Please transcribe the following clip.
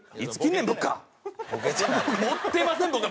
持ってません僕は。